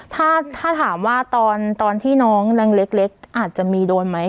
ถ้าถามว่าตอนที่น้องแรงเล็กอาจจะมีโดนไหม